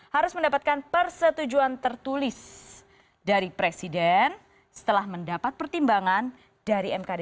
harus mendapatkan persetujuan tertulis dari presiden setelah mendapat pertimbangan dari mkd